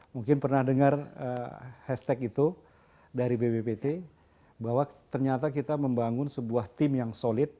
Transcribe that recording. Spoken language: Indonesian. mungkin pernah dengar hashtag itu dari bppt bahwa ternyata kita membangun sebuah tim yang solid